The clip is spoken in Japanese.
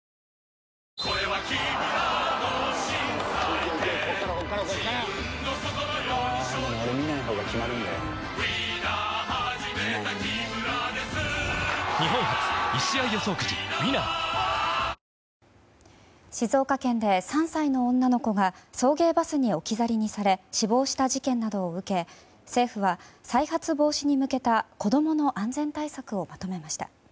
土曜日にかけて広い範囲で平年よりも暖かく静岡県で３歳の女の子が送迎バスに置き去りにされ死亡した事件などを受け政府は、再発防止に向けた子供の安全対策をまとめました。